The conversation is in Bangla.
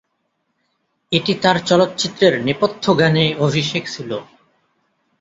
এটি তার চলচ্চিত্রের নেপথ্য গানে অভিষেক ছিল।